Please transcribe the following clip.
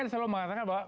ya silahkan pak